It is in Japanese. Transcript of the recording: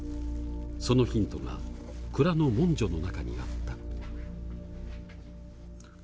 そのヒントが蔵の文書の中にあった。